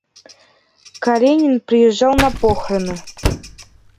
Каренин приезжал на похороны.